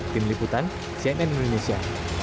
tim liputan cnn indonesia